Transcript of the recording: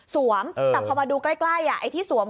แต่พอมาดูใกล้ไอ้ที่สวม